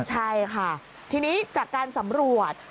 ใช่ค่ะทีนี้จากการสำรวจ